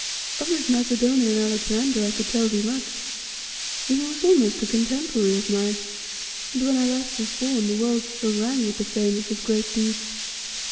Of this Macedonian Alexander I could tell thee much, for he was almost a contemporary of mine, and when I last was born the world still rang with the fame of his great deeds.